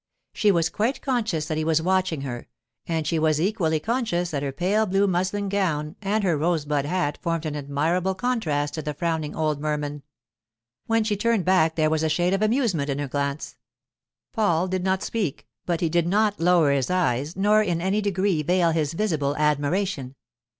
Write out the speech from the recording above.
She was quite conscious that he was watching her, and she was equally conscious that her pale blue muslin gown and her rosebud hat formed an admirable contrast to the frowning old merman. When she turned back there was a shade of amusement in her glance. Paul did not speak, but he did not lower his eyes nor in any degree veil his visible admiration.